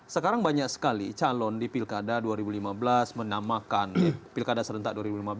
sekarang banyak sekali calon di pilkada dua ribu lima belas menamakan pilkada serentak dua ribu lima belas